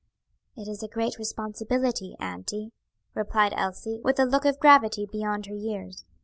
"It is a great responsibility, auntie," replied Elsie, with a look of gravity beyond her years.